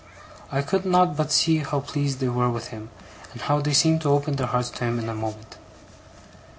I could not but see how pleased they were with him, and how they seemed to open their hearts to him in a moment.